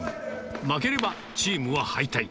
負ければ、チームは敗退。